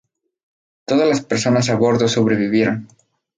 Todas las personas a bordo sobrevivieron.